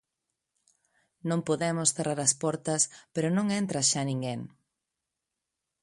Non podemos cerrar as portas pero non entra xa ninguén.